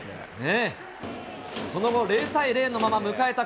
その後、０対０のまま迎えた